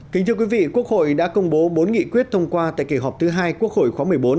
kính thưa quý vị quốc hội đã công bố bốn nghị quyết thông qua tại kỳ họp thứ hai quốc hội khóa một mươi bốn